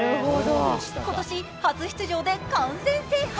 今年初出場で完全制覇。